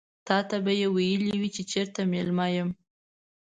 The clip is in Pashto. تاته به مې ويلي وي چې چيرته مېلمه یم.